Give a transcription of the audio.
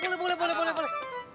boleh dong boleh boleh